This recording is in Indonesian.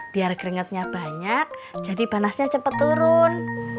biar keringetnya banyak jadi panasnya cepat turun